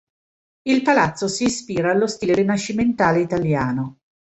Il palazzo si ispira allo stile rinascimentale italiano.